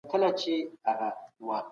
ملي شورا کلتوري تبادله نه دروي.